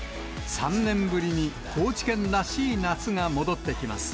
３年ぶりに、高知県らしい夏が戻ってきます。